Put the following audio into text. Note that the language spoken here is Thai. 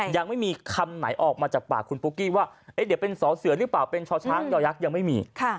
ยังไม่มีคำไหนออกมาจากปากคุณปุ๊กกี้ว่าเดี๋ยวเป็นสอเสือหรือเปล่าเป็นช่อช้างยอยักษ์ยังไม่มี